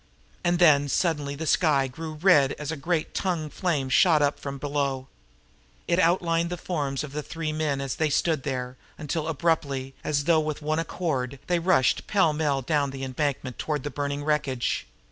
And then suddenly the sky grew red as a great tongue flame shot up from below. It outlined the forms of the three men as they stood there, until, abruptly, as though with one accord, they rushed pell mell down the embankment toward the burning wreckage.